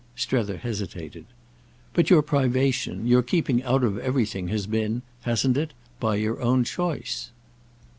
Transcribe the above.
Strether hesitated. "But your privation, your keeping out of everything, has been—hasn't it?—by your own choice."